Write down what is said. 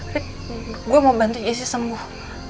rik gue mau bantu jessy sembuh